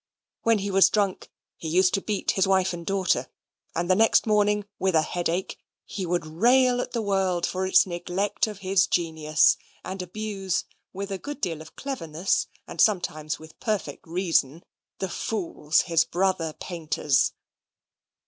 When he was drunk, he used to beat his wife and daughter; and the next morning, with a headache, he would rail at the world for its neglect of his genius, and abuse, with a good deal of cleverness, and sometimes with perfect reason, the fools, his brother painters.